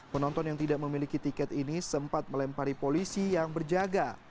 penonton yang tidak memiliki tiket ini sempat melempari polisi yang berjaga